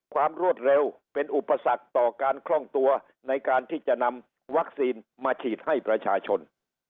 รวดเร็วเป็นอุปสรรคต่อการคล่องตัวในการที่จะนำวัคซีนมาฉีดให้ประชาชน